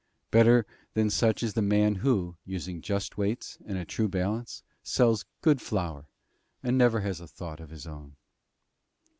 Better than such is the man who, using just weights and a true balance, sells good flour, and never has a thought of his own.